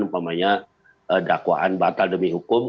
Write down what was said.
apa namanya dakwaan batal demi hukum